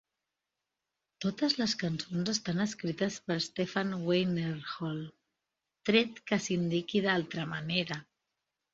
Totes les cançons estan escrites per Stefan Weinerhall, tret que s'indiqui d'altra manera.